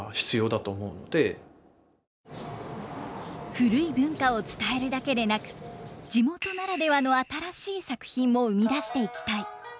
古い文化を伝えるだけでなく地元ならではの新しい作品も生み出していきたい。